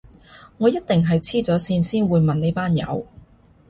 我一定係痴咗線先會問你班友